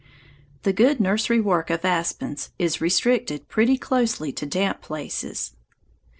The good nursery work of aspens is restricted pretty closely to damp places.